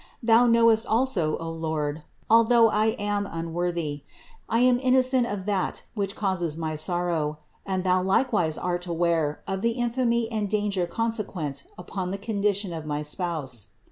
Thou knowest also, O Lord (although I am unworthy), that I am innocent of that which causes my sorrow, and Thou likewise art aware of the infamy and danger consequent upon the condition of my Spouse.